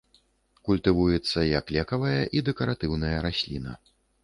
Культывуецца як лекавая і дэкаратыўная расліна.